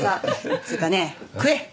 っつうかね食え！